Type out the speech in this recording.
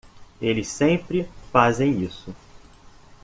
Eles sempre fazem isso.